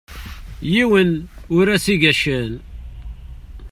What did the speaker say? Yiwen ur as-iga ccan.